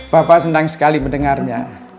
bapak senang sekali mendengarnya